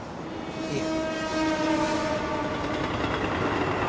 いえ。